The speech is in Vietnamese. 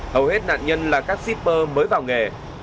hầu hết nạn nhân là các shipper mới vào nghề